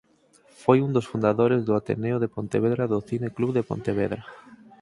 Foi un dos fundadores do Ateneo de Pontevedra e do Cine Club de Pontevedra.